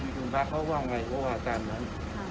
กรุงพิธีปรุงบ้านเขาว่าไงเตรียมแล้ว